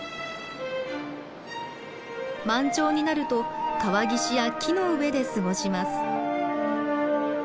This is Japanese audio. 満潮になると川岸や木の上で過ごします。